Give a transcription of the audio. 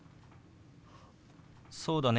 そうだね